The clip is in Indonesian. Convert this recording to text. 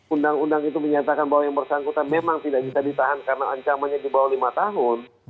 undang undang itu menyatakan bahwa yang bersangkutan memang tidak bisa ditahan karena ancamannya di bawah lima tahun